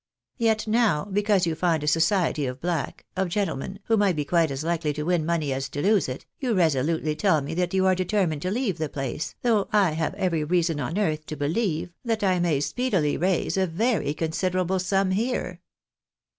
Yet now, because you find a society of black — of gentlemen, who might be quite as likely to win money as to lose it, you resolutely tell me 236 THE BARN"ABTS IN AMERICA. that you are determined to leave the place, though I have every reason on earth to believe that I may speedily raise a very con ' siderable sum here."